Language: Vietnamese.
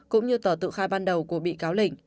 cũng như tờ tự khai ban đầu của bị cáo lình